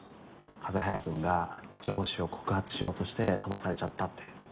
風早君が上司を告発しようとして飛ばされちゃったって。